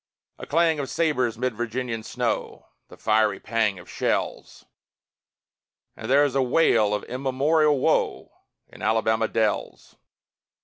A clang of sabres 'mid Virginian snow, The fiery pang of shells, And there's a wail of immemorial woe In Alabama dells.